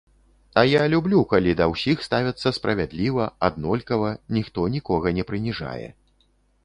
А я люблю, калі да ўсіх ставяцца справядліва, аднолькава, ніхто нікога не прыніжае.